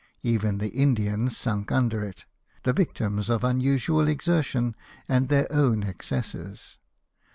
Even the Indians sunk under it, the victims of imusual exertion and of their own excesses.